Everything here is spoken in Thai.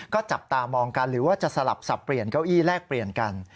ก็จับตามองกันหรือว่าจะสลับสับเปลี่ยนเก้าอี้แลกเปลี่ยนกัน